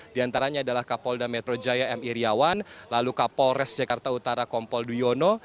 diantaranya adalah kapolda metro jaya m iryawan lalu kapolres jakarta utara kompol duyono